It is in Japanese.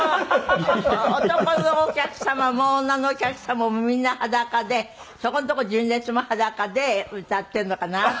男のお客様も女のお客様もみんな裸でそこのとこに純烈も裸で歌ってるのかなと。